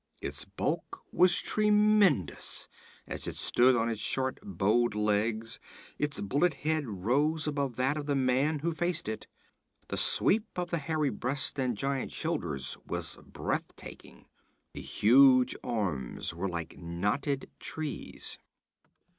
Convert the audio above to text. Its bulk was tremendous; as it stood on its short bowed legs, its bullet head rose above that of the man who faced it; the sweep of the hairy breast and giant shoulders was breathtaking; the huge arms were like knotted trees.